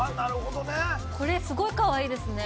これ、すごいかわいいですね。